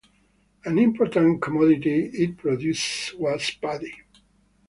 An important commodity it produced was paddy.